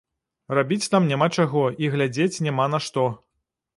Рабіць там няма чаго і глядзець няма на што.